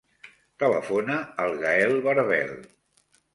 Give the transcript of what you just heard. Telefona al Gael Berbel.